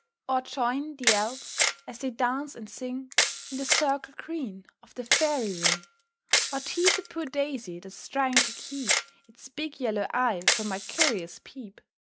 _"] Or join the Elves as they dance and sing In the circle green of the fairy ring, Or tease a poor Daisy that's trying to keep Its big yellow eye from my curious peep.